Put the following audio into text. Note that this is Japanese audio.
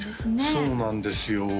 そうなんですよ